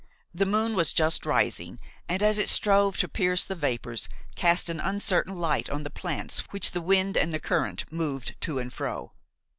The moon was just rising, and, as it strove to pierce the vapors, cast an uncertain light on the plants which the wind and the current moved to and fro.